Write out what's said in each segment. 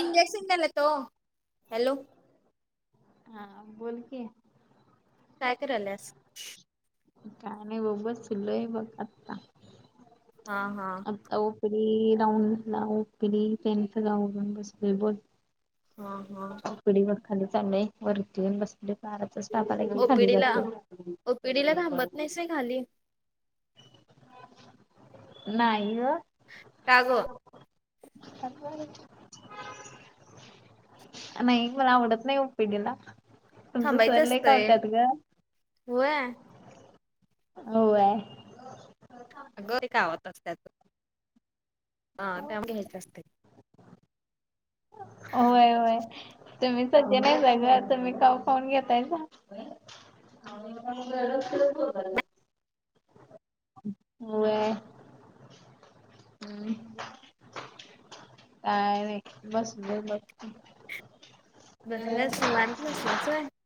इंजेक्शनेतो hello [unintelligible] हा बोलकी काय कराल्यास? का नाही बसुलय बघ आता. हा हा. आता [unintelligible] त्यांचं गाव बंद असतय बोल. हा हा. कडी [unintelligible] वरती येऊन बसले. बाराचा स्टाफ आला की, खाली ओपीडीला जातोय. ओपीडीला [unintelligible] नाही ग. का [unintelligible] अ ग [unintelligible] अ नाई मला आवडत नाही ओ पी डी ला. थांबायचं असतय होय. [unintelligible] आग ये कावत असत्यात. हा त्या मध्ये घ्यायचं असतंय. होय होय तुम्ही सज्जन हायसा ग तुम्ही काव खाऊन घेतायसा र ब [unintelligible] होय, हम काय र बस, ब म [unintelligible] बरस माांत असल्याचय [unintelligible]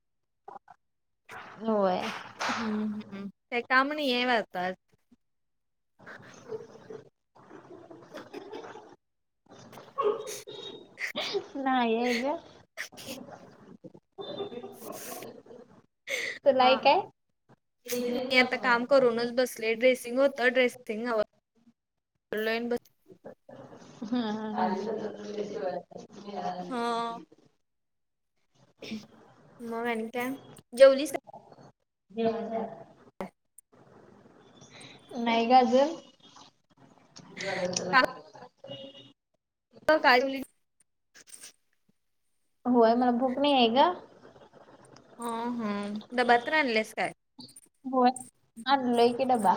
होय, हम्म हम्म का कामणी आहे वतात, नाही ये ग. [inaudible] [unintelligible] तुला हा आहे काय? मी आता काम करूनच बस ट्रे ड्रेसिंग होतं ड्रेसिंग आवरलोय आणि बस हं हं हम [unintelligible] हा मग आणि काय जेवलीस काय. हर. [unintelligible] नाही ग अजून. का [unintelligible] काय [unintelligible] होय मला भूक नाई हाय ग. ह हम, डब्बा तर आणल्यास काय? होय आणलोय की डबा.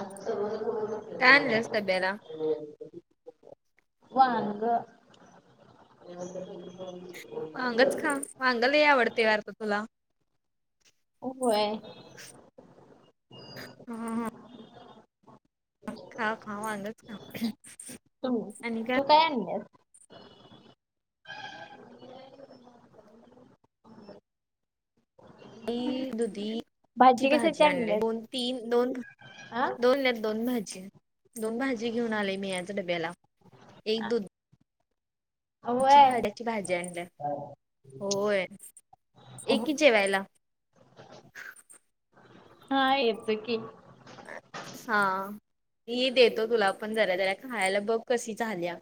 काय आणलंस डब्याला? [unintelligible] वांग. वांगच खा, वांग लय आवडतय वाटतं तुला. ऊ व्हय. हम्म हम्म हम्म. खा-खा वांगच खा तू आणि काय? तू काय आणल्यास. मी दुधीची कशाची भाजी आणले, आणलेस दोन-तीन दोन हा दोन येत दोन भाजी, दोन भाजी घेऊन आलेय, मी आज डब्याला एक दूध ईंची होय भाड्याची भाजी आणल्या होय एकी जेवायला. हा येत की. हा ई देतो तुला पण जरा जरा खायला बघ कशी झालीया.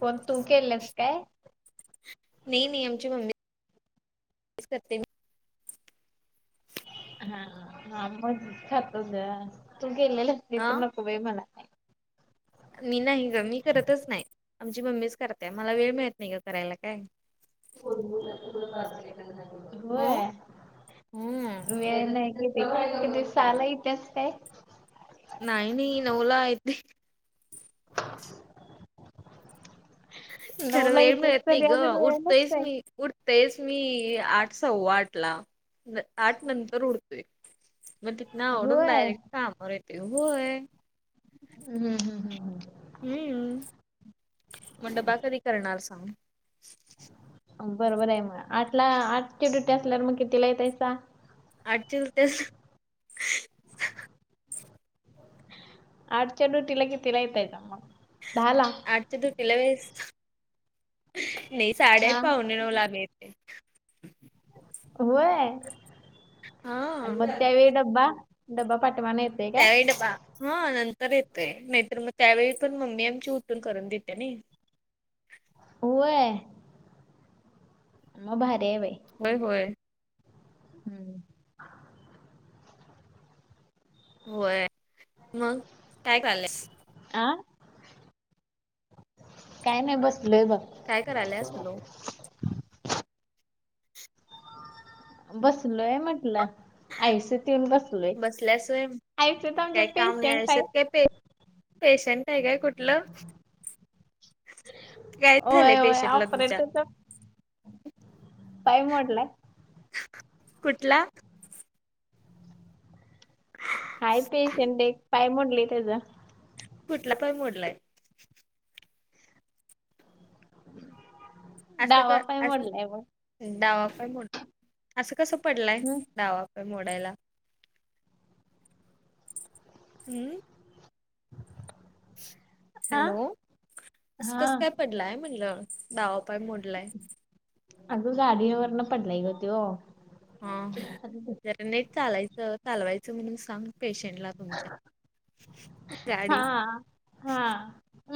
कोण तू केल्यात काय? नई नई आमची मम्मी [inaudible] करते मी. [unintelligible] हा हा हा मग खातो जरा तू केलेली असलीस हा तर नको बाई मला काय. मी नाही ग मी करतच नाही आमची मम्मीच करते. मला वेळ मिळत नाही ग करायला काय? होय. हो हम्म वेळ नाही कि क साला इतिहास काय? नाही नाही नवला यत. [inaudible] चरा नऊला येत्यास वेळमयेत तरी ग अजून वेळ उठतयस नसतोय. म उ‌. तेच मी आठ सव्वा आठला आठ नंतर उडत. मग तिथन आवडून होय. डायरेक्ट कामावर येते होय. हम् हम् हम् हम. हम्म मंडपा कधी करणार सांग. बरोबर आहे मग आठला आठची डुटी असल्यावर मग कितीला यतायचा. आटच तेच आड चडू तिला कि तलायेतयत मग डाला. तला वेस नाही साडेआठ हा पाहुणे नऊ लाब यथे. ह. होय आणि मग हा त्यावेळी डब्बा डब्बा पाठमाना येत. [unintelligible] हा नंतर येतय नाहीतर मग त्यावेळी पण मम्मी आमची उठून करून दिते नई. अ होय. मग भारी हाय बाई. होय होय. हम्म. होय मग काय चालय? आ काय नाही बसलय बघ. काय करायला सलो. बसलोय म्हटलं आईस येऊन बस. बसल्यासोय काय काम पेशंट नयचत आहेत. काय पे. पेशंट आहे काय कुठलं काय झालंय होय होय पेशंटला तुमच्या? ऑपरेटरचा पाय मोडलाय. कुठला. हाय पेशन ते एक पाय मोडले त्याचं कुठला पण मोडलाय? असं डावा का पाय अस मोडलाय बघ डावाप म्ह असं कसं पडलंय हम्म डावाप! का मोडायला हम्म? हा हॅलोस हा कसं काय पडलंय म्हटलं दावापाय मोडलाय. अग गाडी वरन पडलाय गतीव. हा जरा नेट चालायचं चालवायचं म्हणून सांग. पेशंट ला तुमच्या हा गाडी. हा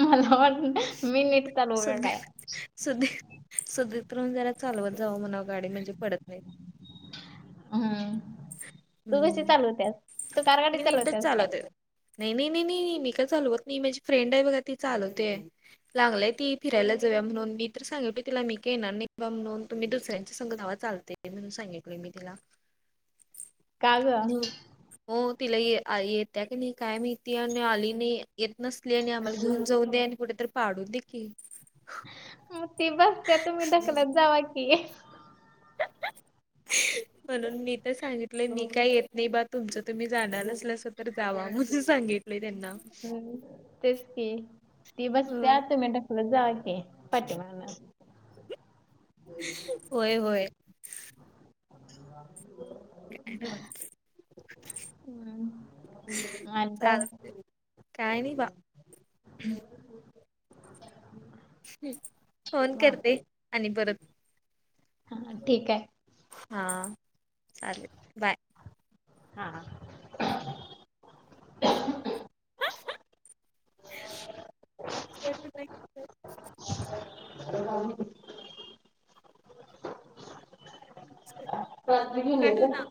मला वाटत मी निटतालो वे आहे. सध सध्या तरण जरा चालवत जावं म्हणाव गाडी म्हणजे पडत नाही. हम्म तू कशी हम्म चालवतेस तू कारगाडीत मी नीटच चालवतेस काय? चालवते नाही नाही नाही नाही नाही मी का चालवत नाही माझी फ्रेंड आहे बघा ती चालवतेय. लागलंय ती फिरायला जाऊया म्हणून मी तर सांगिते तिला मी का येणार नाहीबा म्हण तुम्ही दुसऱ्यांचा संघधावा चालत. ते म्हणून सांगितले मी तिला? का ग ह हो तिला येत आहे की नाही काय मिती आली नाही. येत नसली आणि आम्हाला घेऊन जाऊन दे आणि कुठेतरी पाडून दे की. ती बसते तुम्ही ढकलत जावा की? म्हणून मी तर सांगितलं मी. काही येत नाही बा तुमचं तुम्ही जाणार असलस तर जावा म्हणे सांगित! हम्म तेच की ती बसते हं. आत मिनट खुलं जाक! प्टी मारणार होय होय. ह [inaudible] हम्म. आणि चाल. काही नाही बा. फोन करतेय काय? आणि परत. हा ठीक आहे. हा चालेल बाय. हा हा. नाही. [unintelligible] रात्री गेलीये कट होत काय?